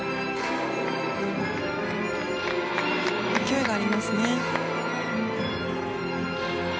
勢いがありますね。